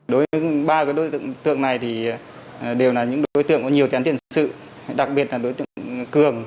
đối với ba đối tượng này thì đều là những đối tượng có nhiều thiền sự đặc biệt là đối tượng cường